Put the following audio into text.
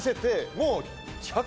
もう。